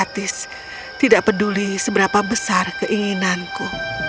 tidak peduli seberapa besar keinginanku